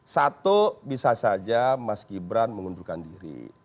satu bisa saja mas gibran mengundurkan diri